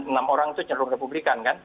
enam orang itu jalur republikan kan